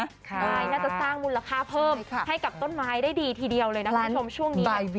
ใช่น่าจะสร้างมูลค่าเพิ่มให้กับต้นไม้ได้ดีทีเดียวเลยนะคุณผู้ชมช่วงนี้